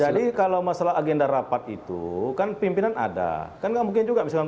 jadi kalau masalah agenda rapat itu kan pimpinan ada kan gak mungkin juga bisa tiba tiba